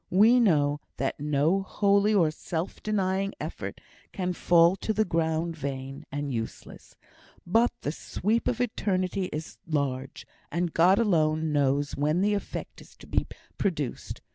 We know that no holy or self denying effort can fall to the ground vain and useless; but the sweep of eternity is large, and God alone knows when the effect is to be produced.